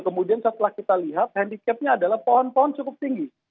kemudian setelah kita lihat handicapnya adalah pohon pohon cukup tinggi